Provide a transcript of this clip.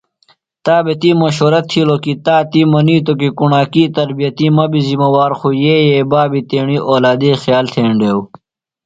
تا بےۡ تی مشورہ تِھیلوۡ تہ تی منِیتوۡ کی کُݨاکی تربیتیۡ مہ بیۡ زِمہ وار خو یئے بابی بیۡ تیݨی اولیدی خیال تھینڈیوۡ۔